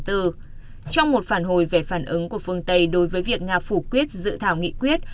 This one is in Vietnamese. trong một phản hồi về phản ứng của phương tây đối với việc nga phủ quyết dự thảo nghị quyết